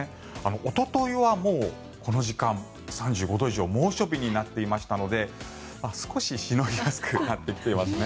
おとといはもうこの時間、３５度以上猛暑日になっていましたので少ししのぎやすくなってきましたね。